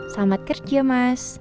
selamat kerja mas